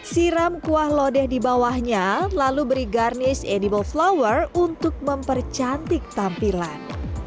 siram kuah lodeh di bawahnya lalu beri garnish edible flower untuk mempercantik tampilan